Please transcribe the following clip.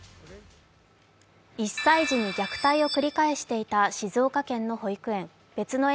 １歳児に虐待を繰り返していた静岡県の保育園。